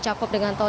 tidak ada penurunan